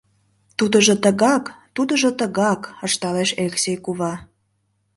— Тудыжо тыгак, тудыжо тыгак, — ышталеш Элексей кува.